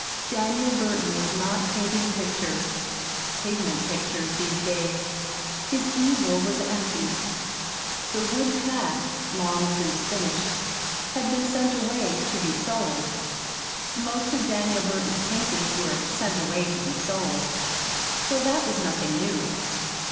Daniel Burton was not painting pictures pigment pictures these days. His easel was empty. "The Woodland Path," long since finished, had been sent away "to be sold." Most of Daniel Burton's paintings were "sent away to be sold," so that was nothing new.